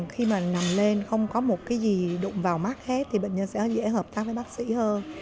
khi mà nằm lên không có một cái gì đụng vào mắt hết thì bệnh nhân sẽ dễ hợp tác với bác sĩ hơn